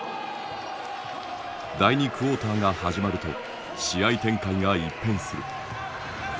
第２クォーターが始まると試合展開が一変する。